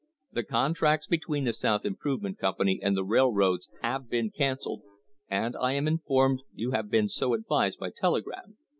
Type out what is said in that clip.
The contracts between the South Improvement Company and the rail roads have been cancelled, and I am informed you have been so advised by telegram.